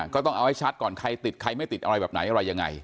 ก็ต้องเอาให้ชัดก่อนใครติดใครไม่ติดอะไรแบบไหนอะไรยังไง